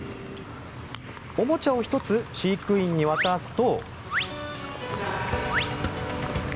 おもちゃを１つ飼育員に渡すと。